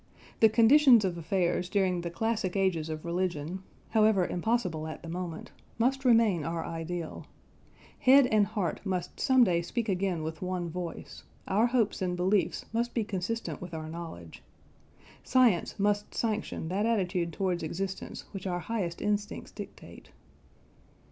The conditions of affairs during the classic ages of religion, however impossible at the moment, must remain our ideal. Head and heart must some day speak again with one voice, our hopes and beliefs must be consistent with our knowledge. Science must sanction that attitude towards existence which our highest instincts dictate.